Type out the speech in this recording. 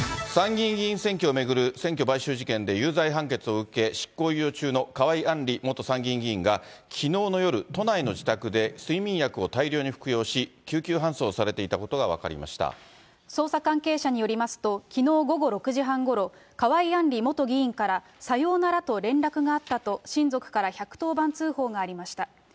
参議院議員選挙を巡る選挙買収事件で有罪判決を受け、執行猶予中の河井案里元参議院議員がきのうの夜、都内の自宅で睡眠薬を大量に服用し、救急搬送されていたことが分捜査関係者によりますと、きのう午後６時半ごろ、河井案里元議員から、さようならと連絡があったと、親族から１１０番通報がありました。